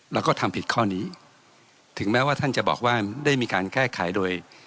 แล้วก็ทำผิดข้อนี้ถึงแม้ว่าท่านจะบอกว่าได้มีการแก้ไขโดย